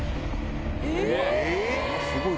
すごい。